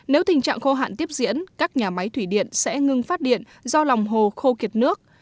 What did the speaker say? nếu tình trạng khô hạn tiếp diễn các nhà máy thủy điện sẽ ngưng phát điện do lòng hồ khô kiệt nước